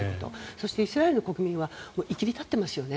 そしてイスラエルの国民はいきり立っていますよね。